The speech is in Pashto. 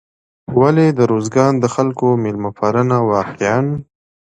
ولې د روزګان د خلکو میلمه پالنه واقعا